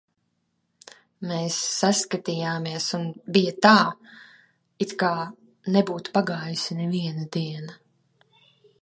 Mēs saskatījāmies, un bija tā, it kā nebūtu pagājusi neviena diena.